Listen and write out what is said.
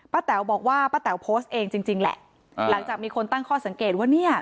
แต๋วบอกว่าป้าแต๋วโพสต์เองจริงจริงแหละหลังจากมีคนตั้งข้อสังเกตว่าเนี่ย